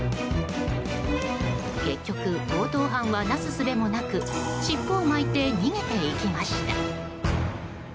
結局、強盗犯はなすすべもなく尻尾を巻いて逃げていきました。